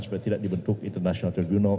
supaya tidak dibentuk international reguna